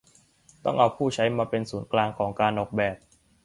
ต้องเอาผู้ใช้มาเป็นศูนย์กลางของการออกแบบ